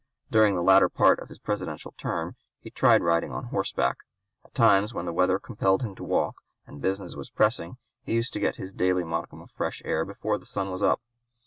During the latter part of his Presidential term he tried riding on horseback. At times when the weather compelled him to walk, and business was pressing, he used to get his daily modicum of fresh air before the sun was up.